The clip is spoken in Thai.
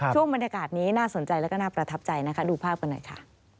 ช่วงบรรยากาศนี้น่าสนใจแล้วก็น่าประทับใจนะคะดูภาพกันหน่อยค่ะ